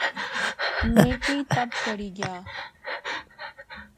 میں کی تپ چڑھی گیا